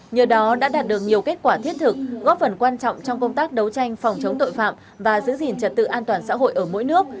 nhờ đó đã đạt được nhiều kết quả thiết thực góp phần quan trọng trong công tác đấu tranh phòng chống tội phạm và giữ gìn trật tự an toàn xã hội ở mỗi nước